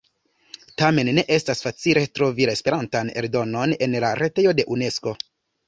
Tamen ne estas facile trovi la Esperantan eldonon en la retejo de Unesko.